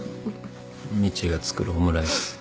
みちが作るオムライス。